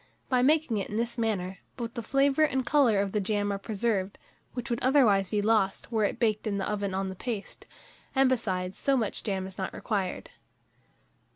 By making it in this manner, both the flavour and colour of the jam are preserved, which would otherwise be lost, were it baked in the oven on the paste; and, besides, so much jam is not required.